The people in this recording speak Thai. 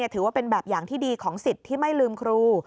ถือว่าเป็นแบบอย่างที่ดีของสิทธิ์ที่ไม่ลืมครู